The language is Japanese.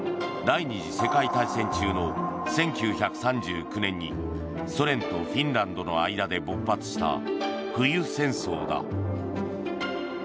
第２次世界大戦中の１９３９年にソ連とフィンランドの間で勃発した冬戦争だ。